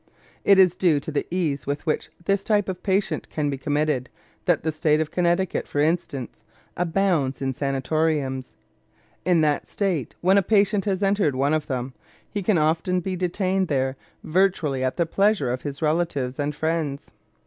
It is due to the ease with which this type of patient can be committed that the State of Connecticut, for instance, abounds in sanatoriums. In that State, when a patient has entered one of them, he can often be detained there virtually at the pleasure of his relatives and friends.